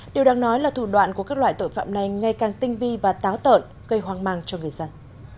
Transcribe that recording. điều đang nói là thủ đoạn của các loại tội phạm này ngay càng tinh vi và táo tợn gây hoang mang cho người dân